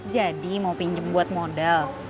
jadi mau pinjem buat modal